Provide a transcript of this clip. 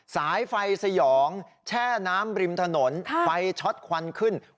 สายไฟสยองแช่น้ำริมถนนไฟช็อตควันขึ้น